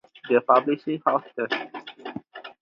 The publishing house Th.